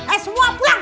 eh semua pulang